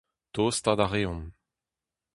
Tostaat a reomp.